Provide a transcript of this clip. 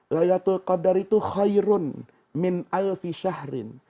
laylatul qadar itu khairun min alfi syahrin